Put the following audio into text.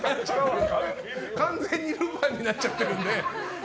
完全にルパンになっちゃってるんで。